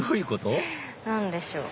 何でしょう？